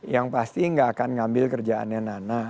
yang pasti gak akan ngambil kerjaannya nana